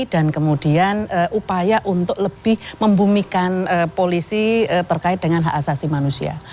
dan kemudian upaya untuk lebih membumikan polisi terkait dengan hak asasi manusia